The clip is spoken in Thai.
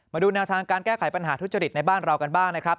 มาดูแนวทางการแก้ไขปัญหาทุจริตในบ้านเรากันบ้างนะครับ